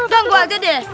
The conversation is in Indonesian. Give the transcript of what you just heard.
ganggu aja deh